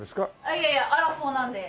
いやいやアラフォーなんで。